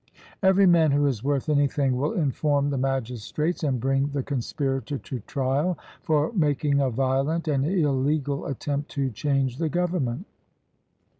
Every man who is worth anything will inform the magistrates, and bring the conspirator to trial for making a violent and illegal attempt to change the government.